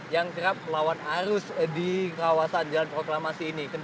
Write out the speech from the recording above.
yang kerap melawan arus di kawasan jalan proklamasi ini